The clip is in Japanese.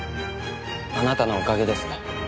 あなたのおかげです。